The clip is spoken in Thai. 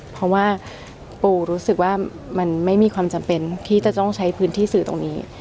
เพราะว่าปูรู้สึกว่ามันไม่มีความจำเป็นที่จะต้องใช้พื้นที่สื่อตรงนี้